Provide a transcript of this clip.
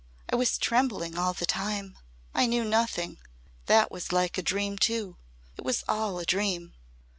I was trembling all the time. I knew nothing. That was like a dream too. It was all a dream."